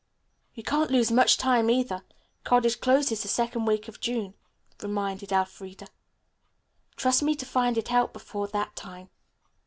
"You can't lose much time, either. College closes the second week in June," reminded Elfreda. "Trust me to find out before that time."